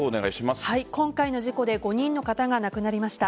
今回の事故で５人の方が亡くなりました。